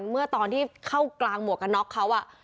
เมื่อตอนที่เข้ากลางหมวกกันน็อกเขา